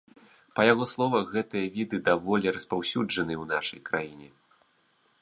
Па яго словах, гэтыя віды даволі распаўсюджаныя ў нашай краіне.